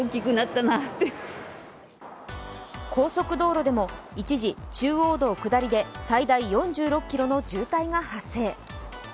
高速道路でも一時、中央道下りで最大４６ｋｍの渋滞が発生。